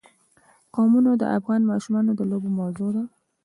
قومونه د افغان ماشومانو د لوبو موضوع ده.